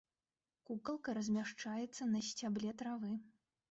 Кукалка размяшчаецца на сцябле травы.